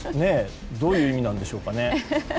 どういう意味なんでしょうかね。